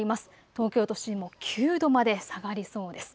東京都心も９度まで下がりそうです。